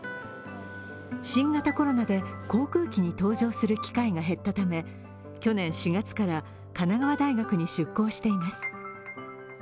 新型コロナで航空機に搭乗する機会が減ったため去年４月から神奈川大学に出向しています。